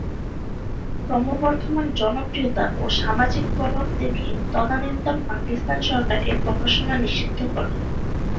ক্রমবর্ধমান জনপ্রিয়তা ও সামাজিক প্রভাব দেখে তদানীন্তন পাকিস্তান সরকার এর প্রকাশনা নিষিদ্ধ করে।